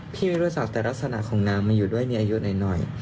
ไม่รู้จักแต่ลักษณะของน้ำมาอยู่ด้วยมีอายุหน่อย